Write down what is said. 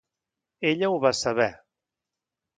Ella ho va saber.